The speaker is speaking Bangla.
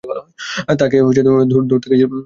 তাকে ধরতে গেছিল কে?